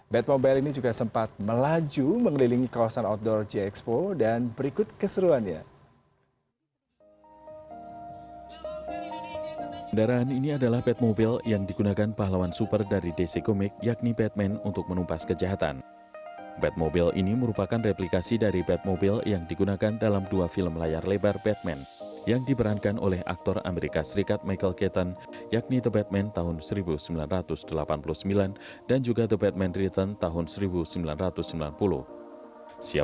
batmobile ini juga sempat melaju mengelilingi kawasan outdoor gxp dan berikut keseruannya